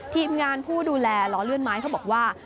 ทีมงานผู้ดูแลล้อเลื่อนไม้เขาบอกว่า